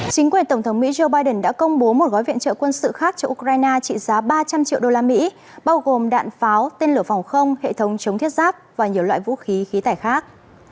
chính quyền tổng thống mỹ joe biden đã công bố một gói viện trợ quân sự khác cho ukraine trị giá ba trăm linh triệu đô la mỹ bao gồm đạn pháo tên lửa phòng không hệ thống chống thiết giáp và nhiều loại vũ khí khí tải khác